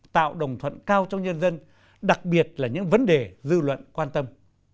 tạo đồng thuận cao trong nhân dân đặc biệt là những vấn đề dư luận quan tâm